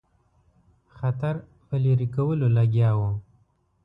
خطر په لیري کولو لګیا وو.